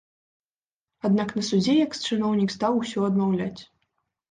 Аднак на судзе экс-чыноўнік стаў усё адмаўляць.